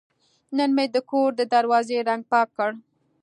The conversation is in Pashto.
نن مې د کور د دروازې رنګ پاک کړ.